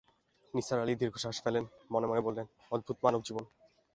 নিসার আলি দীর্ঘনিঃশ্বাস ফেললেন-মনে-মনে বললেন, অদ্ভুত মানবজীবন।